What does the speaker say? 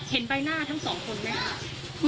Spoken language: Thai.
เห็นใบหน้าทั้งสองคนไหม